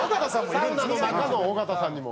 サウナの中の尾形さんにも。